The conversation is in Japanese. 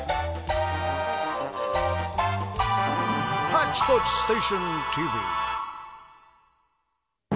「ハッチポッチステーションＴＶ」。